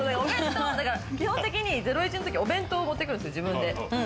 基本的に『ゼロイチ』のとき、お弁当持ってくるんですよ。